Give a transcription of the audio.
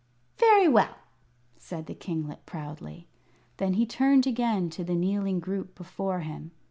"Very well!" said the kinglet, proudly. Then he turned again to the kneeling group before him.